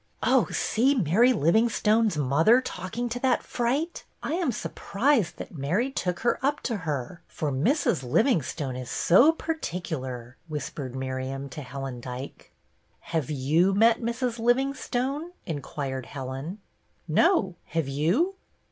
" Oh, see Mary Livingstone's mother talk ing to that fright ! I am surprised that Mary took her up to her, for Mrs. Livingstone is so particular," whispered Miriam to Helen Dyke. " Have you met Mrs. Livingstone ?" in quired Helen. " No, have you